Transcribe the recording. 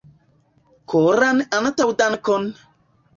Koran antaŭdankon!